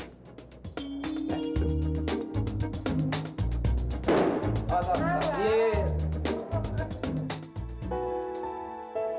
semua biar aku yang beresin